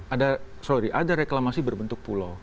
ada sorry ada reklamasi berbentuk pulau